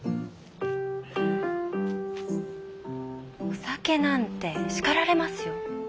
お酒なんて叱られますよ。